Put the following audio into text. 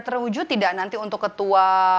terwujud tidak nanti untuk ketua